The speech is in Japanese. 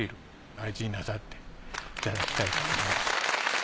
大事になさっていただきたいと思います。